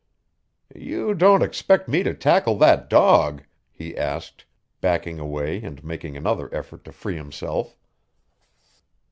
"You don't expect me to tackle that dog?" he asked, backing away and making another effort to free himself.